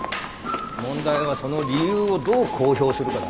問題はその理由をどう公表するかだ。